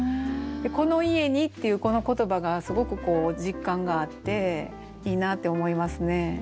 「この家に」っていうこの言葉がすごくこう実感があっていいなって思いますね。